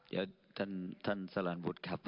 เดี๋ยวท่านซาลานบุตรครับ